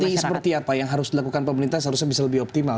strategi seperti apa yang harus dilakukan pemerintah seharusnya bisa lebih optimal